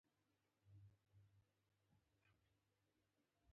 شودیاره، قلبه، لوونه او ډاګونه ټول په اشر سرته رسېدل.